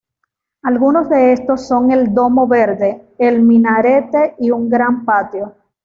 Algunos de estos son el domo verde, el minarete y un gran patio.